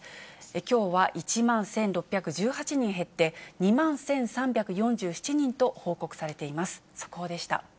きょうは１万１６１８人減って、２万１３４７人と報告されています。